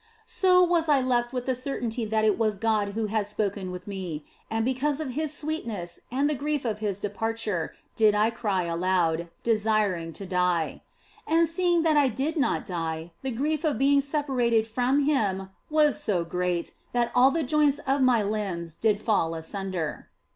So was I left with the certainty that it was God who had spoken with me ; and because of His sweetness and the grief of His departure did I cry aloud, desiring to die. And seeing that I did not die, the grief of being separated from Him was so great that all the joints of my limbs did fall asunder.